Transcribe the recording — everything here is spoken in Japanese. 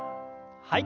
はい。